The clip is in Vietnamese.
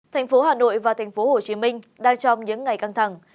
tp hcm và tp hcm đang trong những ngày căng thẳng